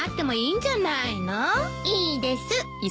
いいです。